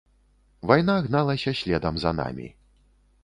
Вайна гналася следам за намі.